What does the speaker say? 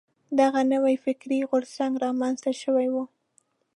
دغه نوی فکري غورځنګ را منځته شوی و.